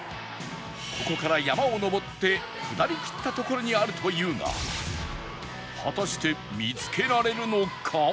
ここから山を上って下りきった所にあるというが果たして見つけられるのか？